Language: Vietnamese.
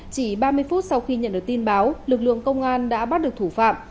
chỉ ba mươi phút sau khi nhận được tin báo lực lượng công an đã bắt được thủ phạm